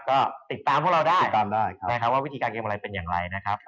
ก็ติดตามพวกเราได้วิธีการเกมอะไรเป็นอย่างไรนะครับ